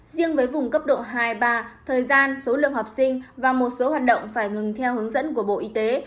riêng với vùng cấp độ hai ba thời gian số lượng học sinh và một số hoạt động phải ngừng theo hướng dẫn của bộ y tế